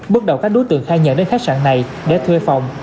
bước đầu các đối tượng khai nhận đến khách sạn này để thuê phòng